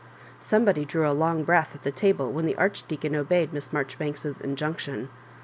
Somebody drew a long breath at the table when the Archdeacon obeyed Miss Maijonbanks's injunction.